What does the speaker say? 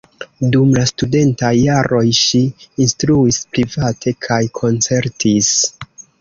Dum la studentaj jaroj ŝi instruis private kaj koncertis.